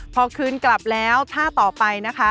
พอคืนกลับแล้วท่าต่อไปนะคะ